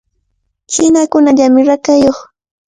Chinakunallamy rakayuq.